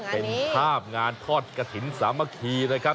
เป็นภาพงานทอดกระถิ่นสามัคคีนะครับ